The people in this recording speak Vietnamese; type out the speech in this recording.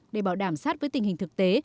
để bảo đảm sát với tình hình thực tế